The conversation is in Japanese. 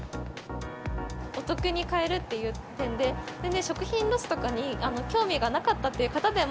お得に買えるっていう点で、全然食品ロスとかに興味がなかったという方でも、